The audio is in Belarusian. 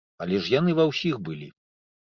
Але ж яны ва ўсіх былі.